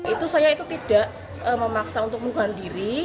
itu saya itu tidak memaksa untuk mengubah diri